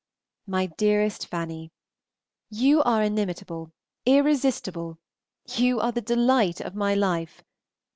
MY DEAREST FANNY, You are inimitable, irresistible. You are the delight of my life.